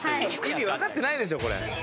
意味わかってないでしょこれ。